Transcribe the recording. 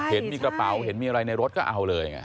เห็นมีกระเป๋าเห็นมีอะไรในรถก็เอาเลยไง